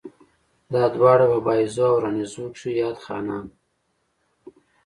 دا دواړه پۀ بائيزو او راڼېزو کښې ياد خانان وو